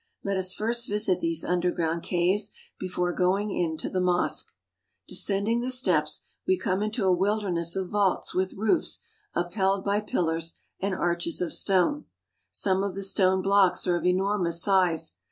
Let us first visit these underground caves before going into the mosque. Descending the steps, we come into a wilderness of vaults with roofs upheld by pillars and arches of stone. Some of the stone blocks are of enormous size.